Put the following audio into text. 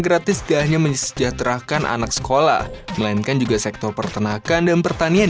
gratis tidak hanya mensejahterakan anak sekolah melainkan juga sektor pertanakan dan pertanian